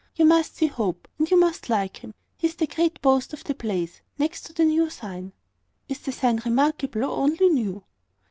You must see Hope, and you must like him. He is the great boast of the place, next to the new sign." "Is the sign remarkable, or only new?"